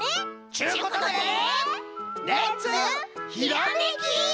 ちゅうことでレッツひらめき！